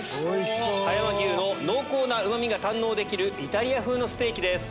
葉山牛の濃厚なうま味が堪能できるイタリア風のステーキです。